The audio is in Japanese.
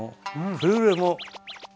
くれぐれも。